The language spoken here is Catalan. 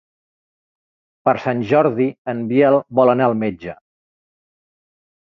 Per Sant Jordi en Biel vol anar al metge.